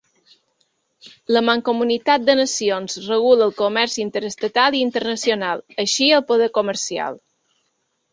La Mancomunitat de Nacions regula el comerç interestatal i internacional, així el poder comercial.